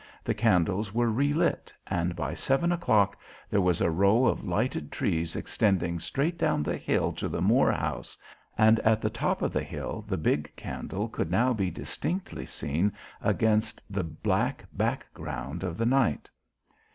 The candles were re lit and by seven o'clock there was a row of lighted trees extending straight down the hill to the Moore house and at the top of the hill the big candle could now be distinctly seen against the black back ground of the night.